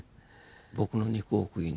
僕の肉を食いね